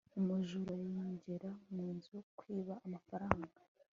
umujura yinjiye mu nzu kwiba amafaranga